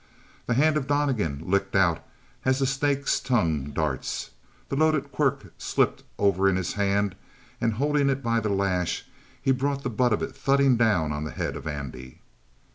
The hand of Donnegan licked out as the snake's tongue darts the loaded quirt slipped over in his hand, and holding it by the lash he brought the butt of it thudding on the head of Andy.